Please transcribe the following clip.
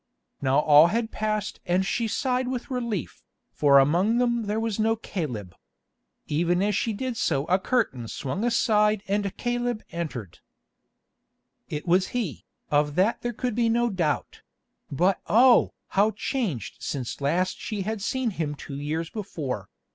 Now all had passed and she sighed with relief, for among them there was no Caleb. Even as she did so a curtain swung aside and Caleb entered. It was he, of that there could be no doubt; but oh! how changed since last she had seen him two years before.